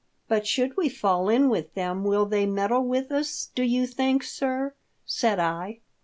" But should we fall in with them will they meddle with us, do you think, sir.^" said I.